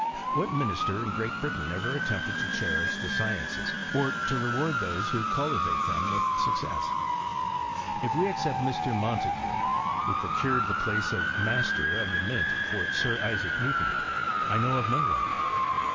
What minister in Great Britain ever attempted to cherish the sciences, or to reward those who cultivate them with success ? If we except Mr. Montague, who procured the place of master of the Mint for Sir Isaac Newton, I know of no one.